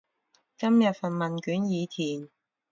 今日份問卷已填